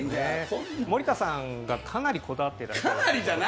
森田さんがかなりこだわっていらっしゃると。